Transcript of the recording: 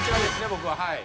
僕ははい。